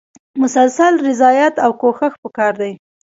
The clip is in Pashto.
مسلسل ریاضت او کوښښ پکار دی.